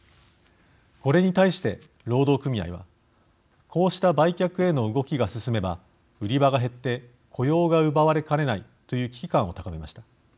これに対して労働組合はこうした売却への動きが進めば売り場が減って雇用が奪われかねないという危機感を高めました。